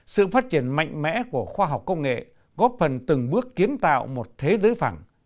sự phát triển mạnh mẽ của khoa học công nghệ góp phần từng bước kiến tạo một thế giới phẳng